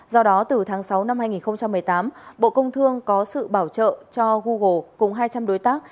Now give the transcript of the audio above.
do đó từ tháng sáu năm hai nghìn một mươi tám bộ công thương có sự bảo trợ cho google cùng hai trăm linh đối tác